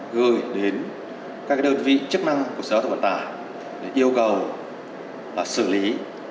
gửi đến các đơn vị chức năng của xe hoạt động vận tả để yêu cầu là xử lý theo các quy định